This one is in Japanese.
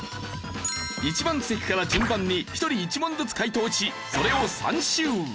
１番席から順番に１人１問ずつ解答しそれを３周。